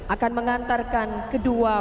akan mengantarkan kedua